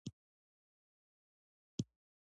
د احمد کور يې ور ډاک کړ.